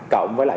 cộng với là